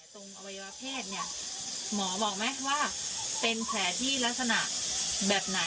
ต้องรอผลพิสูจน์จากแพทย์ก่อนนะคะแต่ต้องรอผลพิสูจน์จากแพทย์ก่อนนะคะ